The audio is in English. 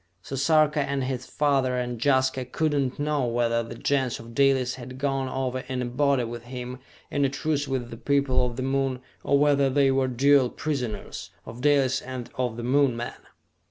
So Sarka and his father and Jaska could not know whether the Gens of Dalis had gone over in a body with him, in a truce with the people of the Moon, or whether they were dual prisoners of Dalis and of the Moon men!